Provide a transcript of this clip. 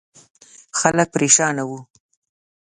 خلک پرېشان وو.